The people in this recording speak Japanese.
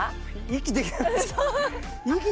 息できなく。